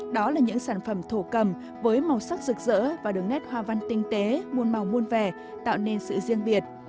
đó là những sản phẩm thổ cầm với màu sắc rực rỡ và đường nét hoa văn tinh tế muôn màu muôn vẻ tạo nên sự riêng biệt